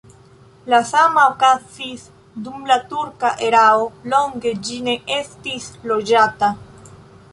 La sama okazis dum la turka erao, longe ĝi ne estis loĝata.